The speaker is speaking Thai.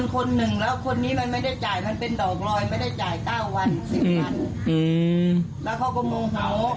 เขาคิดว่ายายอึ๋งมาอยู่ตรงนี้